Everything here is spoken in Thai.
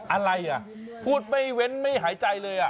อะไรอ่ะพูดไม่เว้นไม่หายใจเลย